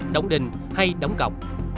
đóng đình hay đóng cọc